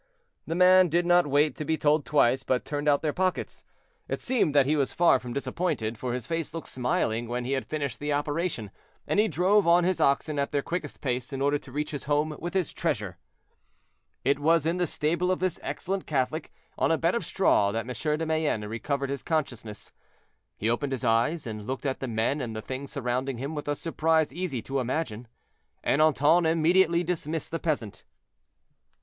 The man did not wait to be told twice, but turned out their pockets. It seemed that he was far from disappointed, for his face looked smiling when he had finished the operation, and he drove on his oxen at their quickest pace, in order to reach his home with his treasure. It was in the stable of this excellent Catholic, on a bed of straw, that M. de Mayenne recovered his consciousness. He opened his eyes, and looked at the men and the things surrounding him with a surprise easy to imagine. Ernanton immediately dismissed the peasant.